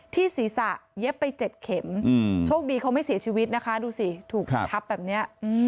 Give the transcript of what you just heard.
ที่ศีรษะเย็บไป๗เข็มโชคดีเขาไม่เสียชีวิตนะคะดูสิถูกทับแบบนี้